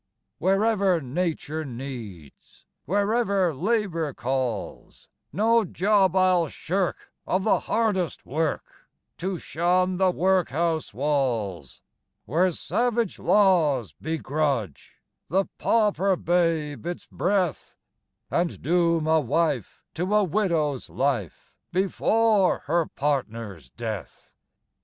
Wherever Nature needs, Wherever Labor calls, No job I'll shirk of the hardest work, To shun the workhouse walls; Where savage laws begrudge The pauper babe its breath, And doom a wife to a widow's life, Before her partner's death.